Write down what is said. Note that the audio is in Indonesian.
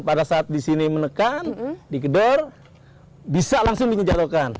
pada saat di sini menekan digedor bisa langsung dikejauhkan